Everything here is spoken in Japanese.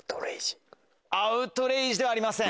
『アウトレイジ』ではありません。